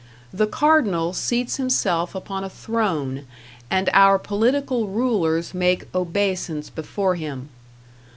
The Cardinal seats himself upon a throne, and our political rulers make obeisance before him.